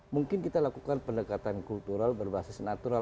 mungkin kita lakukan pendekatan kultural berbasis natural